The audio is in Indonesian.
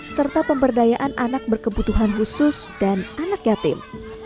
serta pemberdayaan anak berkebutuhan khusus dan anak yatim